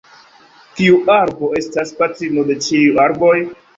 Kiu arbo estas patrino de ĉiuj arboj?